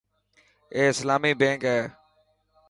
اي اسلامي بينڪ هي .